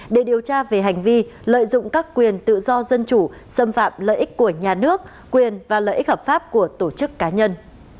để điều tra về hành vi lợi dụng các quyền tự do dân chủ xâm phạm lợi ích của nhà nước quyền và lợi ích hợp pháp của tổ chức cá nhân